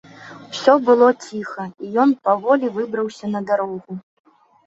Усё было ціха, і ён паволі выбраўся на дарогу.